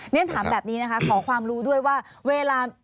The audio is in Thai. เรียนถามแบบนี้นะคะขอความรู้ด้วยว่าเวลา